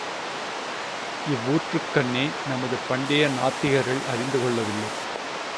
இவ்வூற்றுக் கண்ணே நமது பண்டைய நாத்திகர்கள் அறிந்து கொள்ளவில்லை.